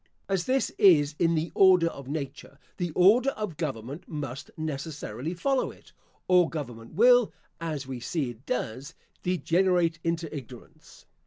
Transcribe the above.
As this is in the order of nature, the order of government must necessarily follow it, or government will, as we see it does, degenerate into ignorance.